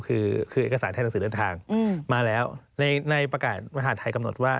คือเอกสารให้หนังสือเดินทางมาแล้วในประกาศมหาดไทยกำหนดว่า